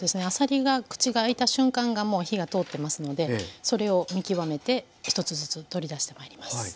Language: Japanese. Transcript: あさりが口が開いた瞬間がもう火が通ってますのでそれを見極めて１つずつ取り出してまいります。